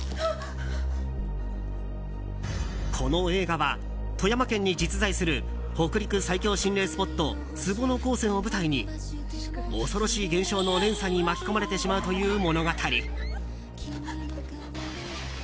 この映画は富山県に実在する北陸最恐心霊スポット坪野鉱泉を舞台に恐ろしい現象の連鎖に巻き込まれてしまうという物語。